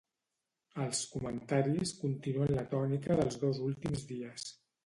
Els comentaris continuen la tònica dels dos últims dies.